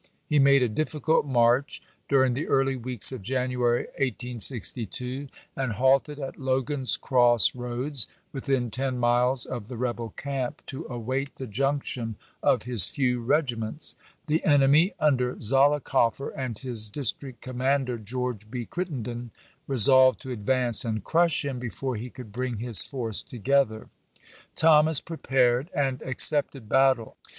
He made a difficult march during the early weeks of January, 1862, and halted at Logan's Cross Roads, within ten miles of the rebel camp, to await the junction of his few regiments. The enemy, under Zollicoffer and his district commander, George B. Crittenden, resolved to advance and crush him be fore he could bring his force together. Thomas prepared, and accepted battle.